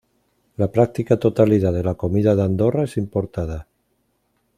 La práctica totalidad de la comida de Andorra es importada.